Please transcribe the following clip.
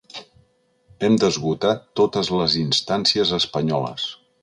Hem d’esgotar totes les instàncies espanyoles.